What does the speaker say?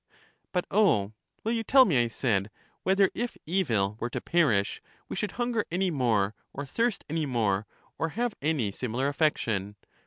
But, oh! will you tell me, I said, whether if evil were to perish, we should hunger any more, or thirst any more, or have any similar affection?